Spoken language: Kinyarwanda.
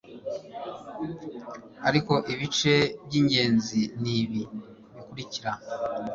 ariko ibice by'ingenzi ni ibi bikurikira